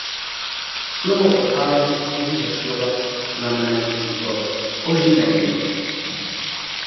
Slovo pochází z cizího slova znamenajícího "oživení".